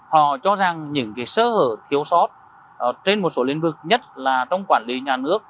họ cho rằng những sơ hở thiếu sót trên một số liên vực nhất là trong quản lý nhà nước